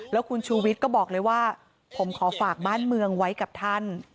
แล้วคุณชูวิทย์ก็บอกเลยว่าผมขอฝากบ้านเมืองไว้กับท่าน